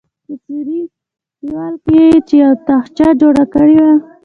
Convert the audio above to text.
په څیرې دیوال کې یې چې یوه تاخچه جوړه کړې وه.